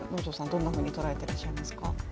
どんなふうに捉えていらっしゃいますか？